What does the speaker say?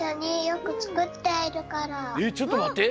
えっちょっとまって。